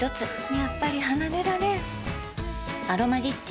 やっぱり離れられん「アロマリッチ」